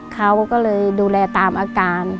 เขาก็เลยดูแลตามอาการ